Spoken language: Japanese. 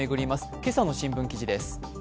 今朝の新聞記事です。